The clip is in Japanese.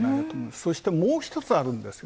そして、もう一つあるんです。